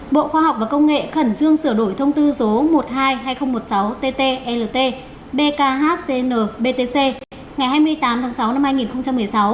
bộ khoa học và công nghệ khẩn trương sửa đổi thông tư số một trăm hai mươi hai hai nghìn một mươi sáu ttlt bkhn btc ngày hai mươi tám tháng sáu năm hai nghìn một mươi sáu